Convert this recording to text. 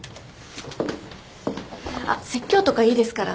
あっ説教とかいいですから。